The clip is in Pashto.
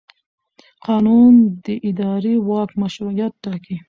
قانون د اداري واک مشروعیت ټاکي.